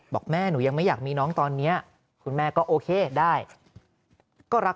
บอกแม่หนูยังไม่อยากมีน้องตอนนี้คุณแม่ก็โอเคได้ก็รัก